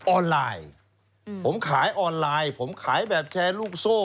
ออนไลน์ผมขายออนไลน์ผมขายแบบแชร์ลูกโซ่